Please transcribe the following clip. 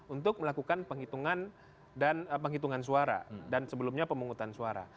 untuk melakukan penghitungan suara dan sebelumnya pemungutan suara